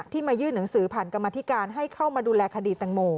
ที่มายื่นหนังสือผ่านกรรมนาธิการให้เข้ามาดูแลคดิต